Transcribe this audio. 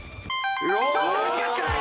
ちょっと難しくない？